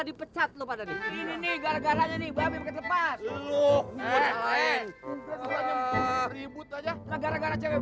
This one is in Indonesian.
dipecat lu pada ini gara garanya nih babi terlepas loh lain ribut aja gara gara cewek